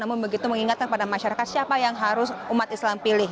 namun begitu mengingatkan kepada masyarakat siapa yang harus umat islam pilih